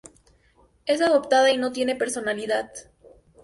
Es adoptada y no tiene personalidad.